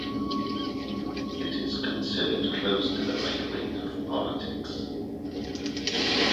It is considered close to the right wing of politics.